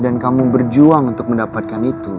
dan kamu berjuang untuk mendapatkan itu